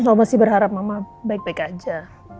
oma masih berharap mama baik baik aja